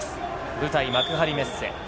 舞台幕張メッセ。